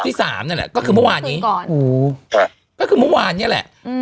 ที่สามนั่นแหละก็คือเมื่อวานนี้ก่อนโอ้โหก็คือเมื่อวานเนี้ยแหละอืม